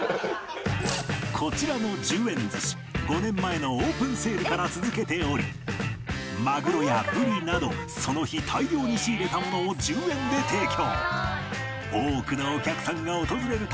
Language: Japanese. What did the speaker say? こちらの１０円寿司５年前のオープンセールから続けておりまぐろやぶりなどその日大量に仕入れたものを１０円で提供。